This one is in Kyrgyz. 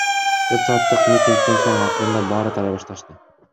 Төрт саатык митингден соң акырындап баары тарай башташты.